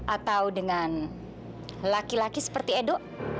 atau dengan laki laki seperti edo